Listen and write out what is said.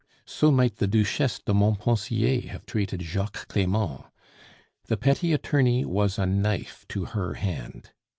So might the Duchesse de Montpensier have treated Jacques Clement. The petty attorney was a knife to her hand.